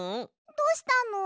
どしたの？